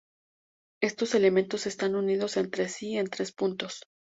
Estos elementos están unidos entre sí en tres puntos.